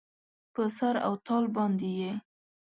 په سر او تال باندې یې